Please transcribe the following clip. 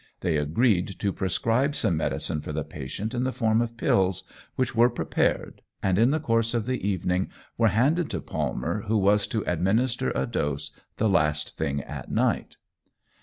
They agreed to prescribe some medicine for the patient in the form of pills, which were prepared, and in the course of the evening were handed to Palmer, who was to administer a dose the last thing at night.